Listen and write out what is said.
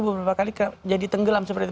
beberapa kali jadi tenggelam seperti itu